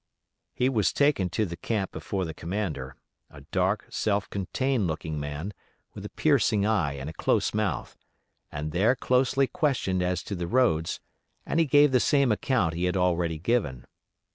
He was taken to the camp before the commander, a dark, self contained looking man with a piercing eye and a close mouth, and there closely questioned as to the roads, and he gave the same account he had already given.